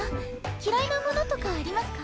嫌いなものとかありますか？